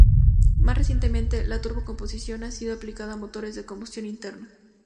Más recientemente, la turbo composición ha sido aplicada a motores de combustión interna.